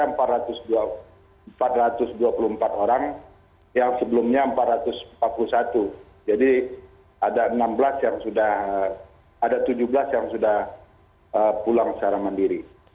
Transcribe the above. indonesia empat ratus dua puluh empat orang yang sebelumnya empat ratus empat puluh satu jadi ada tujuh belas yang sudah pulang secara mandiri